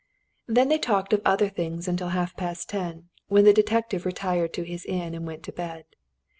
Then they talked of other things until half past ten, when the detective retired to his inn and went to bed.